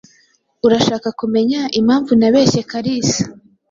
Urashaka kumea impamvu nabeshye Kalisa?